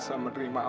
selamat nahi karena